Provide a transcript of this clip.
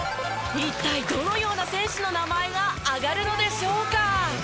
一体どのような選手の名前が挙がるのでしょうか？